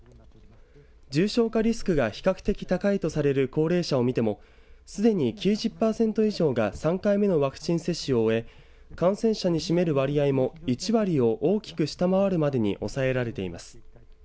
重症化リスクが比較的高いとされる高齢者を見てもすでに９０パーセント以上が３回目のワクチン接種を終え感染者に占める割合も１割を大きく下回るまでに抑えられています。